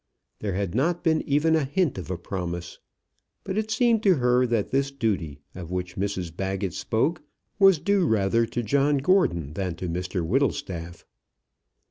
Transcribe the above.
There had not been even a hint of a promise. But it seemed to her that this duty of which Mrs Baggett spoke was due rather to John Gordon than to Mr Whittlestaff.